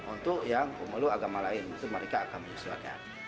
untuk yang pemuluh agama lain itu mereka akan mengusulkan